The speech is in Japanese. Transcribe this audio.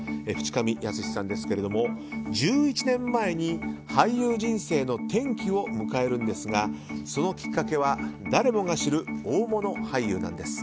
淵上泰史さんですけれども１１年前に俳優人生の転機を迎えるんですがそのきっかけは誰もが知る大物俳優なんです。